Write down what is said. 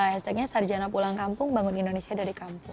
hashtagnya sarjana pulang kampung bangun indonesia dari kampus